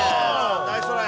ナイストライ。